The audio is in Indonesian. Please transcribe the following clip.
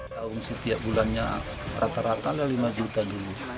almarhum setiap bulannya rata rata ada lima juta dulu